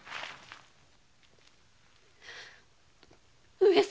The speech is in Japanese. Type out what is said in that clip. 上様。